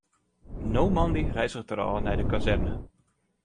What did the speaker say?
No moandei reizget er ôf nei de kazerne.